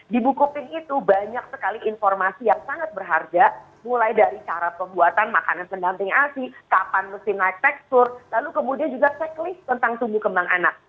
di buku pink itu banyak sekali informasi yang sangat berharga mulai dari cara pembuatan makanan pendamping asi kapan mesti naik tekstur lalu kemudian juga checklist tentang tumbuh kembang anak